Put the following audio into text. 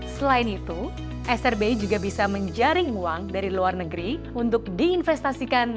selain itu srb juga bisa menjaring uang dari luar negeri untuk diinvestasikan